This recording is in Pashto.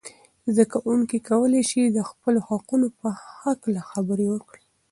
زده کوونکي کولای سي د خپلو حقونو په هکله خبرې وکړي.